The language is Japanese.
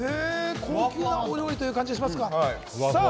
高級なお料理という感じがしますか。